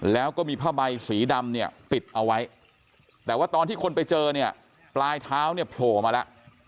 แล้วก็มีผ้าใบสีดำเนี่ยปิดเอาไว้แต่ว่าตอนที่คนไปเจอเนี่ยปลายเท้าเนี่ยโผล่มาแล้ว